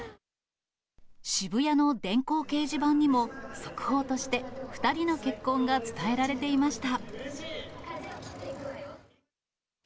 渋谷の電光掲示板にも、速報として、２人の結婚が伝えられていました。